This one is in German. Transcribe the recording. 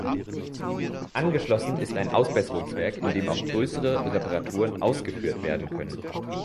Angeschlossen ist ein Ausbesserungswerk, in dem auch größere Reparaturen ausgeführt werden können.